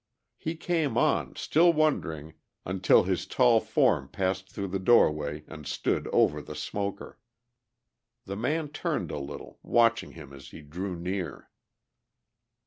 He came on, still wondering, until his tall form passed through the doorway and stood over the smoker. The man turned a little, watching him as he drew near.